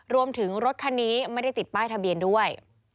รวมถึงรถคันนี้ไม่ได้ติดใต้ทะเบียนด้วย